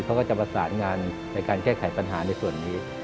เขาก็จะประสานงานในการแก้ไขปัญหาในส่วนนี้